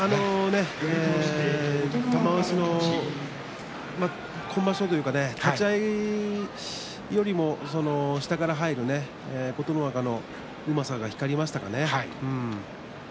玉鷲の今場所、立ち合いよりも下から入る琴ノ若のうまさが光りましたかね。